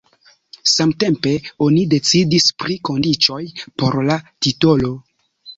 Samtempe oni decidis pri kondiĉoj por la titolo.